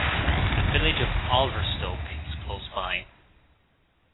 The village of Alverstoke is close by.